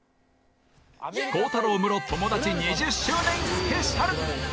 孝太郎、ムロ友達２０周年スペシャル！